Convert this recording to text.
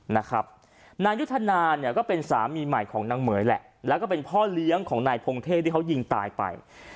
นายยุทธนาเนี่ยก็เป็นสามีใหม่ของนางเหม๋ยแหละแล้วก็เป็นพ่อเลี้ยงของนายพงเทพที่เขายิงตายไป